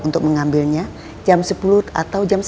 untuk mengambilnya jam sepuluh atau jam sepuluh